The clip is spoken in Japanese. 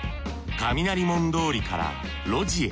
雷門通りから路地へ。